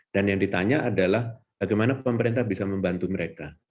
dan yang ditanya adalah bagaimana pemerintah bisa membantu mereka